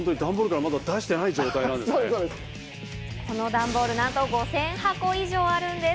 この段ボール、なんと５０００箱以上あるんです。